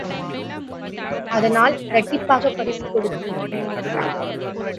அதனால் இரட்டிப்பாகப் பரிசு கொடுத்து அனுப்பினேன் என்றார்.